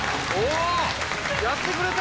やってくれた！